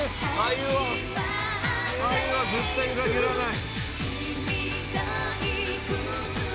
あゆは絶対裏切らない。